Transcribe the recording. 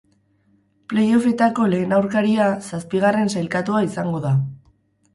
Playoffetako lehen aurkaria, zazpigarren sailkatua izango da.